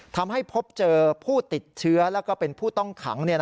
ทำให้พบเจอผู้ติดเชื้อแล้วก็เป็นผู้ต้องขัง